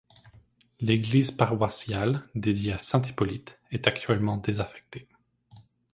L'église paroissiale, dédiée à saint Hippolyte, est actuellement désaffectée.